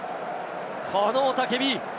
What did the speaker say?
この雄たけび。